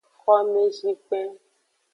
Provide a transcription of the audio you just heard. Xomezikpen.